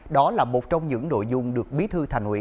đó là một trong những nội dung được bí thư thành ủy